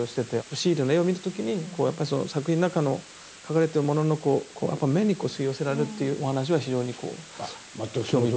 シーレの絵を見る時にやっぱり作品の中の描かれてるもののやっぱり目に吸い寄せられるというお話は非常にこう興味深い。